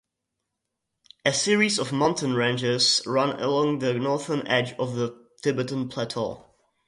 A series of mountain ranges run along the northern edge of the Tibetan Plateau.